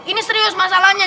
ini serius masalahnya